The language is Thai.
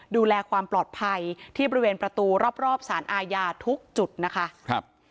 ดูแลความปลอดภัยที่บริเวณประตูรอบสารอาญาทุกจุดนะคะครับ